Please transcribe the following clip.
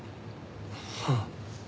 はあ。